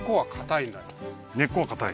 根っこは硬い